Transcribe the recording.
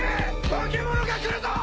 化け物が来るぞ！